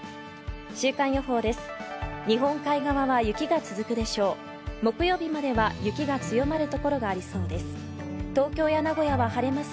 週間予報です。